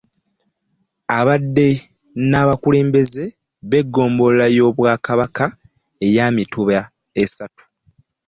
Abadde n'abakulembeze b'eggombolola y'Obwakabaka eya Mituba esatu